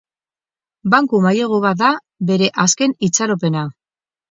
Banku mailegu bat da bere azken itxaropena.